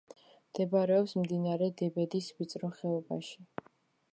მდებარეობს მდინარე დებედის ვიწრო ხეობაში.